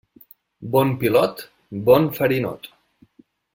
Bon pilot, bon farinot.